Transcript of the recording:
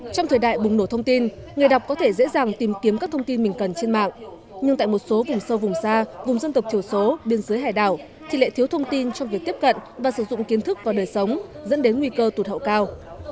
trong thời đại bùng nổ thông tin người đọc có thể dễ dàng tìm kiếm các thông tin mình cần trên mạng nhưng tại một số vùng sâu vùng xa vùng dân tộc thiểu số biên giới hải đảo thì lệ thiếu thông tin trong việc tiếp cận và sử dụng kiến thức vào đời sống dẫn đến nguy cơ tụt hậu cao